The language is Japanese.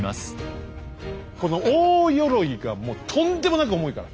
この大鎧がもうとんでもなく重いから！